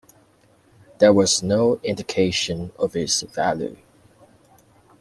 There was no indication of its value.